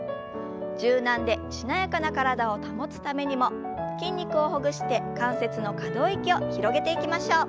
柔軟でしなやかな体を保つためにも筋肉をほぐして関節の可動域を広げていきましょう。